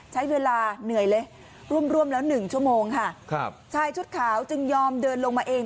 ใช้เวลาเหนื่อยเลยร่วมร่วมแล้วหนึ่งชั่วโมงค่ะครับชายชุดขาวจึงยอมเดินลงมาเอง